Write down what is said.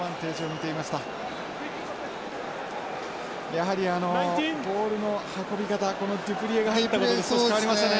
やはりボールの運び方このデュプレアが入ったことで少し変わりましたね。